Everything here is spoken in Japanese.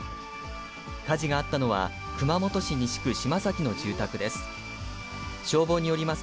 火事があったのは、熊本市西区島崎の住宅です。